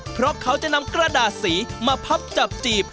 เพราะเขาจะนำกระดาษสีมาพับจับจีบ